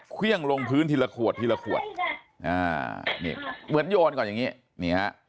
เครื่องลงพื้นทีละขวดทีละขวดเหมือนโยนก่อนอย่างนี้